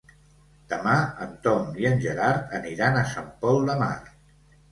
Demà en Tom i en Gerard aniran a Sant Pol de Mar.